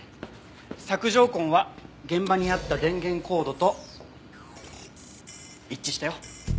索条痕は現場にあった電源コードと一致したよ。